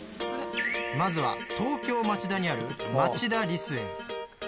まずは東京・町田にある町田リス園。